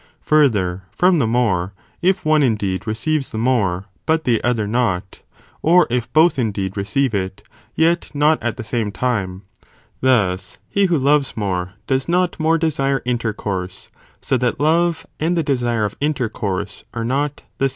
gabe Further, from the more, if one indeed receives simultaneously the more, but the other not, or if both indeed re increased and ceive it, yet. not at the same time; thus, he who loves more, does not more desire intercourse, so that love, and the desire of intercourse, are not the same.